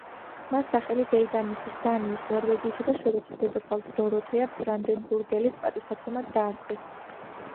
მას სახელი დეიდამისის, დანიის, ნორვეგიისა და შვედეთის დედოფალ დოროთეა ბრანდენბურგელის პატივსაცემად დაარქვეს.